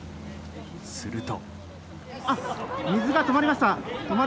すると。